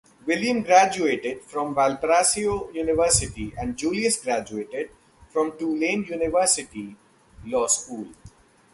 William graduated from Valparaiso University and Julius graduated from Tulane University Law School.